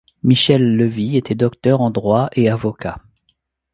Michel Levie était docteur en droit et avocat.